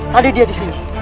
tadi dia disini